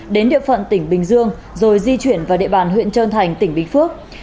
đến địa phận tỉnh bình dương rồi di chuyển vào địa bàn huyện trơn thành tỉnh bình phước